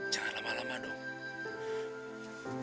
jangan lama lama dong